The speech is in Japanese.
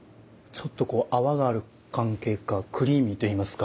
ちょっとこう泡がある関係かクリーミーといいますか。